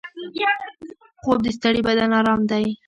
خوب د ستړي بدن ارام دی